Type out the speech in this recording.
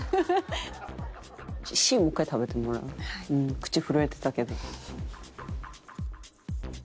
口震えてたけど。